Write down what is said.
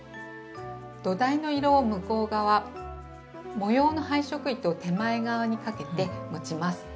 土台の色を向こう側模様の配色糸を手前側にかけて持ちます。